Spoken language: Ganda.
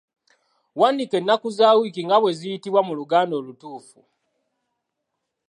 Wandiika ennaku za wiiki nga bwe ziyitibwa mu Luganda olutuufu.